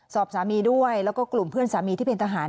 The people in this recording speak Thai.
สามีด้วยแล้วก็กลุ่มเพื่อนสามีที่เป็นทหาร